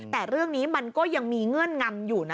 แต่เรื่องนี้มันก็ยังมีเงื่อนงำอยู่นะ